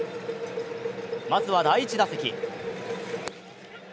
まずは第１打席。